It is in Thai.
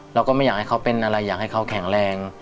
เราก็ไม่อยากให้เขาเป็นอะไรอยากให้เขาแข็งแรง